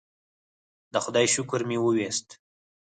د خدای شکر مې وویست.